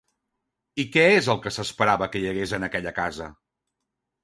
I què és el que s'esperava que hi hagués en aquella casa?